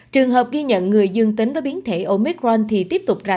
trường hợp ghi nhận người dương tính với biến thể omicron thì tiếp tục ra